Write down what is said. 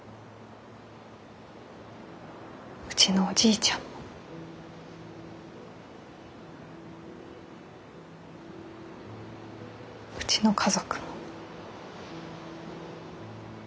うちのおじいちゃんもうちの家族も。